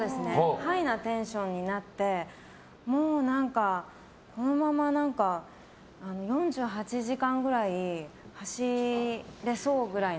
ハイなテンションになってもう、このまま４８時間くらい走れそうぐらいな。